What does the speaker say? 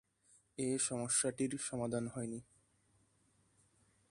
এ সমস্যাটির সমাধান হয়নি।